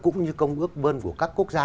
cũng như công ước bơn của các quốc gia